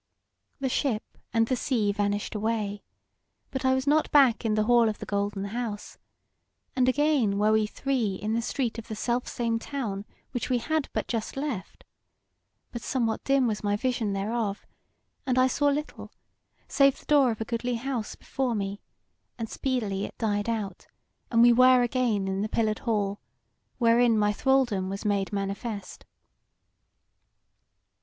The ship and the sea vanished away, but I was not back in the hall of the Golden House; and again were we three in the street of the self same town which we had but just left; but somewhat dim was my vision thereof, and I saw little save the door of a goodly house before me, and speedily it died out, and we were again in the pillared hall, wherein my thralldom was made manifest."